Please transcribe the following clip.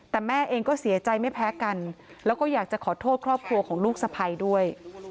แต่แม่เองก็เสียใจไม่แพ้กันแล้วก็อยากจะขอโทษครอบครัวของลูกสะพัยด้วย